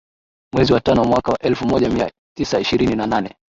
Mwezi wa tano mwaka wa elfu moja mia tisa ishirini na nane